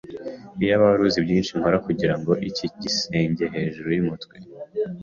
Iyaba wari uzi byinshi nkora kugirango iki gisenge hejuru yumutwe.